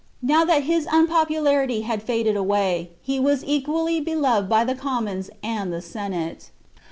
Now that his unpopularity had faded away, he was equally beloved by the commons and the Senate.